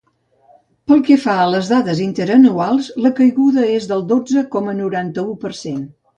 Pel que fa a les dades interanuals, la caiguda és del dotze coma noranta-u per cent.